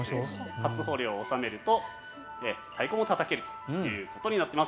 初穂料を納めると太鼓もたたけるということになっています。